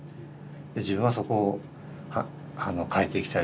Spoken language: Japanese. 自分はそこを変えていきたいと。